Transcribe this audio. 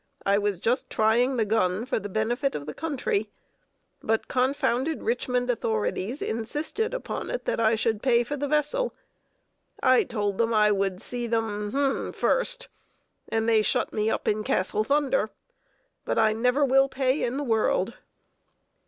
I was just trying the gun for the benefit of the country. But these confounded Richmond authorities insisted upon it that I should pay for the vessel. I told them I would see them first, and they shut me up in Castle Thunder; but I never will pay in the world."